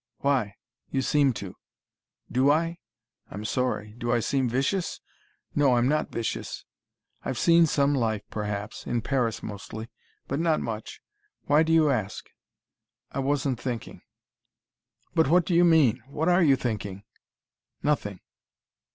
Why?" "You seem to." "Do I? I'm sorry. Do I seem vicious? No, I'm not vicious. I've seen some life, perhaps in Paris mostly. But not much. Why do you ask?" "I wasn't thinking." "But what do you mean? What are you thinking?" "Nothing.